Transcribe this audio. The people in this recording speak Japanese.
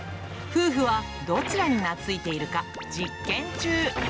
夫婦はどちらに懐いているか、実験中。